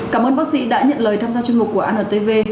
cảm ơn bác sĩ đã nhận lời tham gia chương trình của anh tv